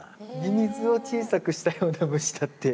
ミミズを小さくしたような虫だって。